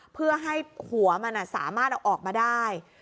เพื่อให้หัวมันสามารถเอาออกมาได้